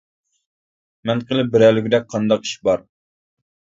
-مەن قىلىپ بېرەلىگۈدەك قانداق ئىش بار.